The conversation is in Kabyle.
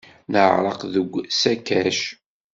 Neɛreq deg usakac.